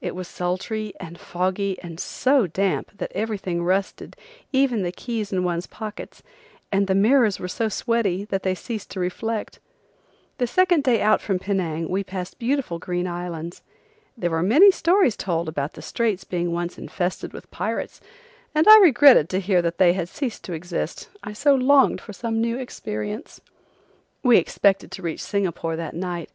It was sultry and foggy and so damp that everything rusted, even the keys in one's pockets, and the mirrors were so sweaty that they ceased to reflect. The second day out from Penang we passed beautiful green islands. There were many stories told about the straits being once infested with pirates, and I regretted to hear that they had ceased to exist, I so longed for some new experience. We expected to reach Singapore that night.